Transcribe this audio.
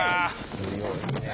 強いね。